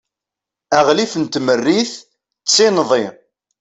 aɣlif n tmerrit d tinḍi